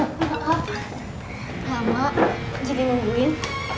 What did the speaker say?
oh kakak lama jadi nungguin